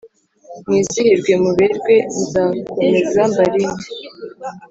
mwizihirwe muberwe nzakomeza mbarinde